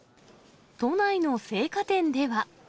都内の青果店では。